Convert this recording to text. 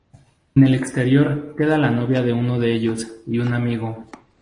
En el exterior queda la novia de uno de ellos y un amigo.